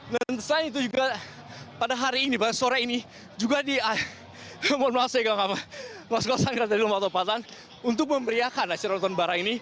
dan selain itu juga pada hari ini pada sore ini juga di mas gosangga dari lombok topatan untuk memberiakan nasional ton bara ini